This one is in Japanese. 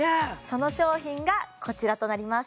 その商品がこちらとなります